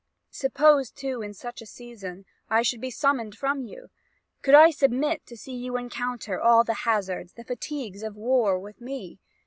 Suppose too in such a season I should be summoned from you. Could I submit to see you encounter all the hazards, the fatigues of war, with me?